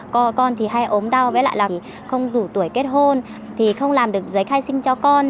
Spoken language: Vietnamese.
con thì hay ốm đau với lại là không đủ tuổi kết hôn thì không làm được giấy khai sinh cho con